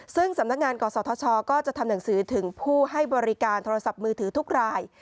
ซึ่งสำนักงานกศธชก็จะทำหนังสือถึงผู้ให้บริการโทรศัพท์มือถือทุกราย